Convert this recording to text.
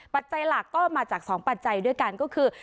ปัจจัยหลักก็มาจาก๒ปัจจัยด้วยกันก็คือ